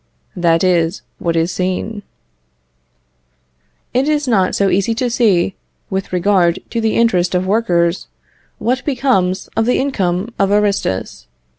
That is what is seen. It is not so easy to see, with regard to the interest of workers, what becomes of the income of Aristus.